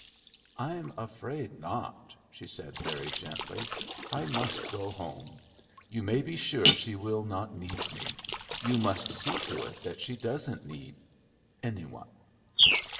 "I'm afraid not," she said very gently. "I must go home. You may be sure she will not need me; you must see to it that she doesn't need any one."